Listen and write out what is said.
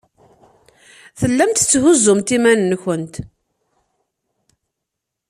Tellamt tetthuzzumt iman-nwent.